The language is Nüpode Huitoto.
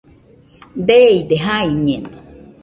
Deide, jaiñeno.